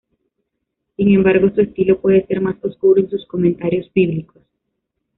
Sin embargo, su estilo puede ser más oscuro en sus comentarios bíblicos.